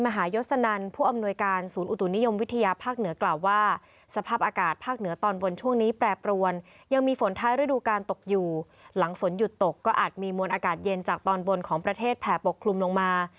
หลังฝนหยุดตกก็อาจมีมวลอากาศเย็นจากตอนบนของประเทศแผ่ปกคลุมลงมา